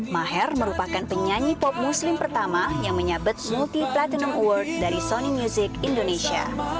maher merupakan penyanyi pop muslim pertama yang menyabet multi platinum award dari sony music indonesia